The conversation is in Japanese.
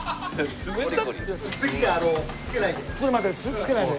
次はつけないで。